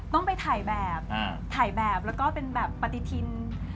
ต้องไปถ่ายแบบถ่ายแบบแล้วก็เป็นแบบปฏิทิน